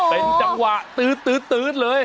เป็นจังหวะตื๊ดตื๊ดตื๊ดเลย